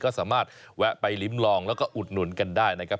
ก็สามารถแวะไปลิ้มลองแล้วก็อุดหนุนกันได้นะครับ